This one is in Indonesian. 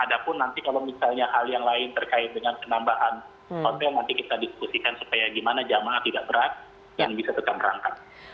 ada pun nanti kalau misalnya hal yang lain terkait dengan penambahan hotel nanti kita diskusikan supaya gimana jamaah tidak berat dan bisa tetap berangkat